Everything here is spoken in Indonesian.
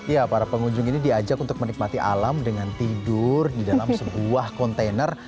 ya para pengunjung ini diajak untuk menikmati alam dengan tidur di dalam sebuah kontainer